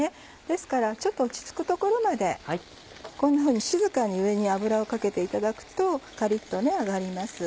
ですから落ち着くところまでこんなふうに静かに上に油をかけていただくとカリっと揚がります。